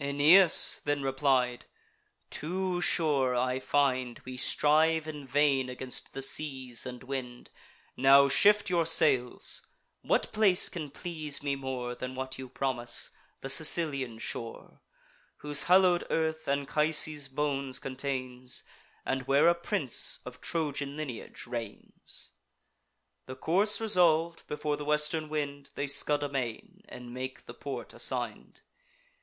Aeneas then replied: "Too sure I find We strive in vain against the seas and wind: Now shift your sails; what place can please me more Than what you promise, the Sicilian shore, Whose hallow'd earth Anchises' bones contains, And where a prince of Trojan lineage reigns?" The course resolv'd, before the western wind They scud amain, and make the port assign'd.